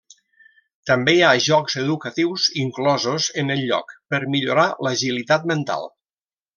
També hi ha jocs educatius inclosos en el lloc per millorar l'agilitat mental.